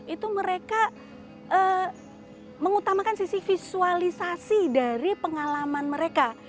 itu mereka mengutamakan sisi visualisasi dari pengalaman mereka